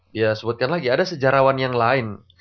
dia sebutkan lagi ada sejarawan yang lain